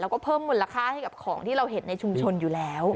แล้วก็เพิ่มมูลค่าให้กับของที่เราเห็นในชุมชนอยู่แล้ว